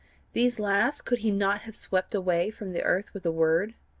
These last, could he not have swept from the earth with a word?